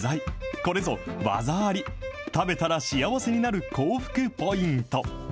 これぞ、技あり、食べたら幸せになる口福ポイント。